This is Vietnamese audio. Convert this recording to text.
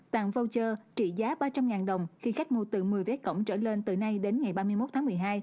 vàng voucher trị giá ba trăm linh đồng khi khách mua từ một mươi vé cổng trở lên từ nay đến ngày ba mươi một tháng một mươi hai